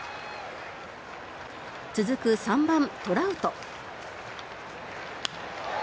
続く３番、トラウト。